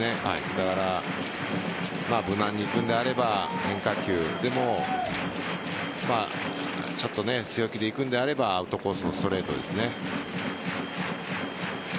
だから無難にいくのであれば変化球でもちょっと強気でいくのであればアウトコースのストレートですね。